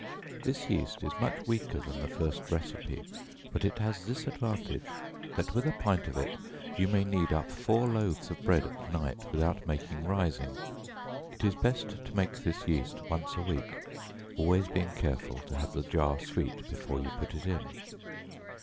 This yeast is much weaker than the first receipt; but it has this advantage, that with a pint of it you may knead up four loaves of bread at night without making rising. It is best to make this yeast once a week, always being careful to have the jar sweet before you put it in.